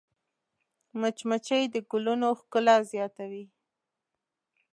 مچمچۍ د ګلونو ښکلا زیاتوي